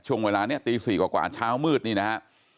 ช่วงเวลานี้ตี๔กว่าเช้ามืดนี่นะฮะ